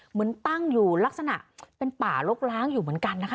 เหมือนตั้งอยู่ลักษณะเป็นป่าลกล้างอยู่เหมือนกันนะคะ